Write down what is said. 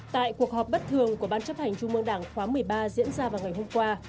tại cuộc họp bất thường của ban chấp hành trung mương đảng khóa một mươi ba diễn ra vào ngày hôm qua